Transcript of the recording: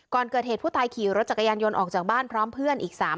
ก่อนเกิดเหตุผู้ตายขี่รถจักรยานยนต์ออกจากบ้านพร้อมเพื่อนอีก๓คน